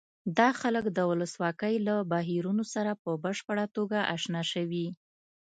دا خلک د ولسواکۍ له بهیرونو سره په بشپړه توګه اشنا شوي.